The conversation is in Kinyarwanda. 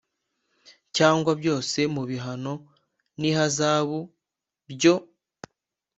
cyangwa byose mu bihano n ihazabu byo